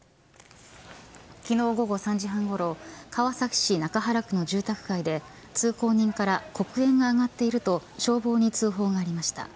昨日午後３時半ごろ川崎市中原区の住宅街で通行人から黒煙が上がっていると消防に通報がありました。